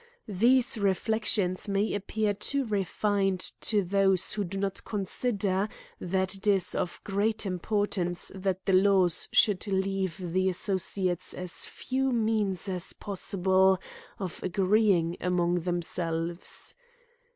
These reflections may appear too refined to those who do not consider, that it is of great importance that the laws should leave the associates as few means as possible of agreeing among themselves.